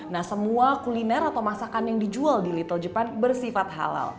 nah semua kuliner atau masakan yang dijual di little jepang bersifat halal